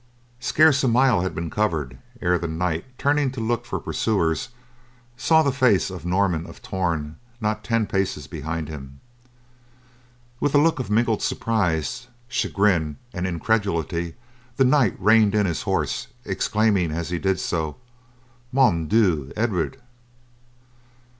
Scarce a mile had been covered ere the knight, turning to look for pursuers, saw the face of Norman of Torn not ten paces behind him. With a look of mingled surprise, chagrin and incredulity the knight reined in his horse, exclaiming as he did so, "Mon Dieu, Edward!"